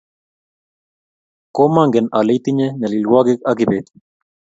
Komangen ale itinye nyalilwogik ak Kibet